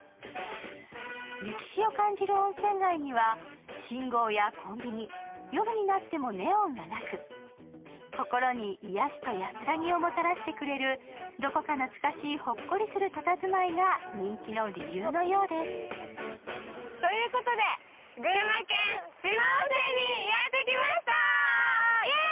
歴史を感じる温泉街には信号やコンビニ、夜になってもネオンがなく心に癒しと安らぎをもたらしてくれるどこか懐かしいほっこりするたたずまいが人気の理由のようです。ということで、群馬県四万温泉にやってきました。